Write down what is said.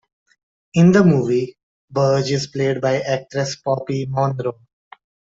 In the movie, Burge is played by actress Poppi Monroe.